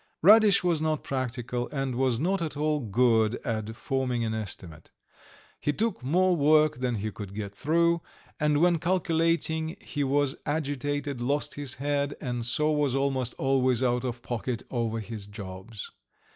V Radish was not practical, and was not at all good at forming an estimate; he took more work than he could get through, and when calculating he was agitated, lost his head, and so was almost always out of pocket over his jobs.